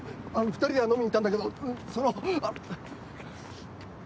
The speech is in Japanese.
２人では飲みに行ったんだけどその。